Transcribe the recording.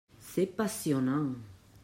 C’est passionnant.